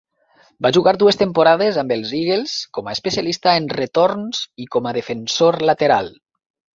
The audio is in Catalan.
Va jugar dues temporades amb el Eagles com a especialista en retorns i com a defensor lateral.